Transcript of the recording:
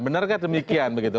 benar kan demikian begitu